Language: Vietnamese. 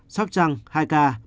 sóc trăng hai ca